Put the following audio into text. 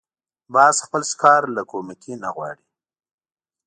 باز خپل ښکار له کومکي نه غواړي